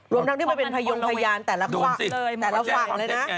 รวมทั้งที่มันเป็นพยงพยานแต่ละฝั่งเลยนะ